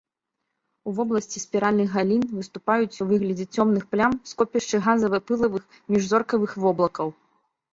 У вобласці спіральных галін выступаюць у выглядзе цёмных плям скопішчы газава-пылавых міжзоркавых воблакаў.